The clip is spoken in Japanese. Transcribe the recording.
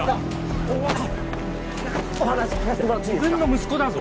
自分の息子だぞ。